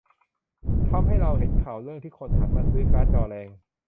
ทำให้เราเห็นข่าวเรื่องที่คนหันมาซื้อการ์ดจอแรง